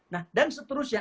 nah dan seterusnya